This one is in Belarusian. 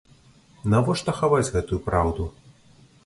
Навошта хаваць гэтую праўду?